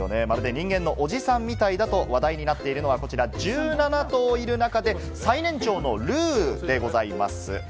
人間のおじさんみたいだと話題になっているのは、こちら１７頭いる中で最年長のルーでございます。